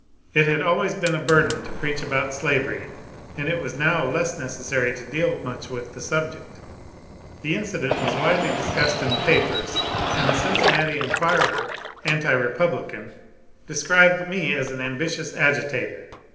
It had always been a burden to preach about slavery, and it was now less neces sary to deal much with the subject. The incident was widely discussed in the papers, and the " Cincinnati Enquirer " (anti Republican) described me aa an ambitious agitator.